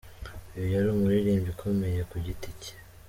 Uyu yari umuririmbyi ukomeye ku giti cye.